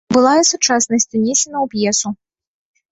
Была і сучаснасць унесена ў п'есу.